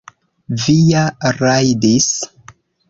Vi ja rajdis!